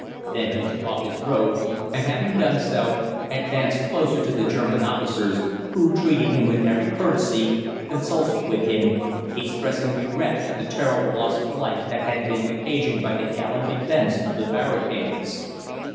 Then he took off his robe, and having done so, advanced closer to the German officers, who, treating him with every courtesy, consulted with him, expressing regret at the terrible loss of life that had been occasioned by the gallant defence of the barricades.